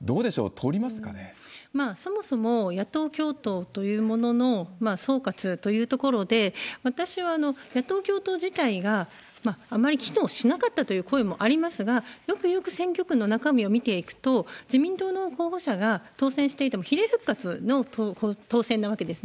とりますかねろろそもそも野党共闘というものの総括というところで、私は野党共闘自体があまり機能しなかったという声もありますが、よく選挙区の中身を見ていくと、自民党の候補者が当選していても、比例復活の当選なわけですね。